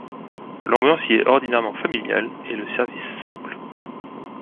L'ambiance y est ordinairement familiale et le service simple.